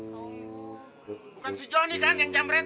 bukan si jonny kan yang jambret